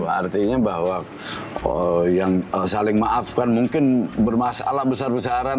artinya bahwa yang saling maafkan mungkin bermasalah besar besaran